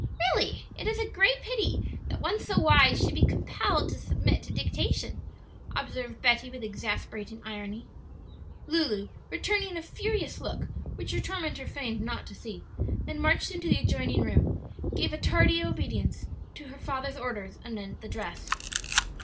"Really, it is a great pity that one so wise should be compelled to submit to dictation," observed Betty with exasperating irony. Lulu, returning a furious look, which her tormentor feigned not to see, then marching into the adjoining room, gave tardy obedience to her father's orders anent the dress.